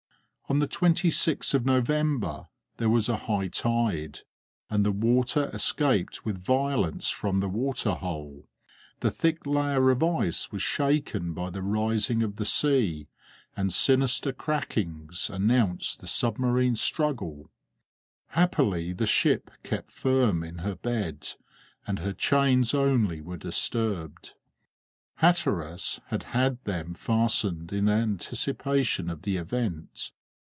On the 26th of November there was a high tide, and the water escaped with violence from the water hole; the thick layer of ice was shaken by the rising of the sea, and sinister crackings announced the submarine struggle; happily the ship kept firm in her bed, and her chains only were disturbed. Hatteras had had them fastened in anticipation of the event.